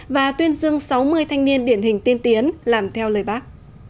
và tuyên dương sáu mươi thanh niên điển hình tiên tiến làm theo lời bác